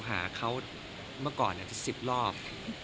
หาเขาเมื่อก่อนจะสิบรอบ